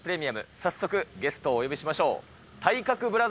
早速、ゲストをお呼びしましょう。